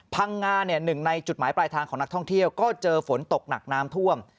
พังงาหนึ่งในจุดหมายปลายทางของนักท่องเที่ยวก็เจอฝนตกหนักน้ำท่วม